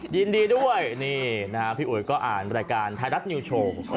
ยินดีด้วยนี่นะฮะพี่อุ๋ยก็อ่านรายการไทยรัฐนิวโชว์